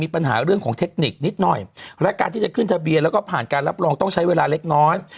เพราะการที่จะขึ้นทะเบียนและก็ผ่านการรับรองต้องใช้เวลาเล็กน้อย